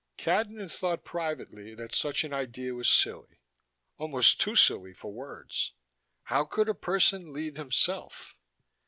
Cadnan thought privately that such an idea was silly, almost too silly for words: how could a person lead himself?